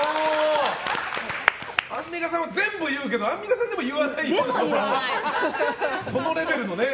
アンミカさんは全部言うけどアンミカさんでも言わないそのレベルのね。